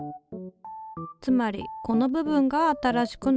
つまりこの部分が新しく伸びたとこ。